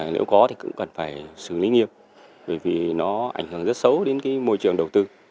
nếu có thì cũng cần phải xử lý nghiêm bởi vì nó ảnh hưởng rất xấu đến môi trường đầu tư